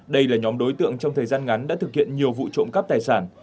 đây là nhóm đối tượng trong thời gian ngắn đã thực hiện nhiều vụ trộm cắp tài sản